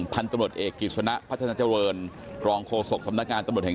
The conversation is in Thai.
คุณตำรวจครับนี่ออกมาใจเย็นพี่เขาพี่เขาพี่เขา